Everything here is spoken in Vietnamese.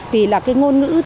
vì là ngôn ngữ